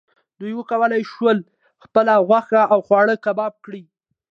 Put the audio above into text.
دوی وکولی شول خپله غوښه او خواړه کباب کړي.